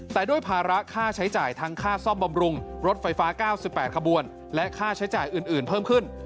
แต่ด้วยภาระค่าใช้จ่ายทั้งค่าซ่อมบำรุงรถไฟฟ้า๙๘ขบวนและค่าใช้จ่ายอื่นเพิ่มขึ้น